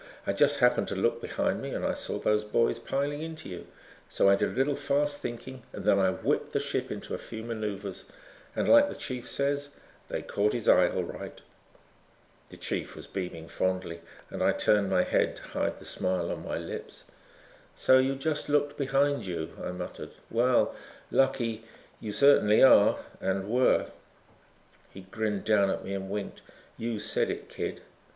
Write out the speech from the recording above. I just happened to look behind me and I saw those boys piling into you. So I did a little fast thinking and then I whipped the ship into a few maneuvers and, like the chief says, they caught his eye all right." The chief was beaming fondly and I turned my head to hide the smile on my lips. "So you just looked behind you," I muttered. "Well, Lucky, you certainly are and were." He grinned down at me and winked. "You said it, kid."